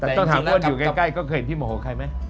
แต่ต้องถามว่าอยู่ใกล้ก็เคยเห็นที่โมโหใครไหม